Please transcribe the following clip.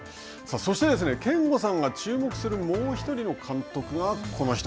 そして、憲剛さんが注目するもう１人の監督がこの人。